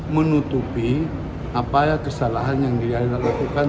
menutupi apa kesalahan yang dia lakukan